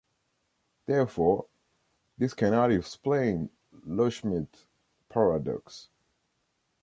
Therefore, this cannot explain Loschmidt's paradox.